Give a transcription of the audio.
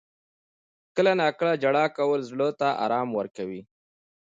• کله ناکله ژړا کول زړه ته آرام ورکوي.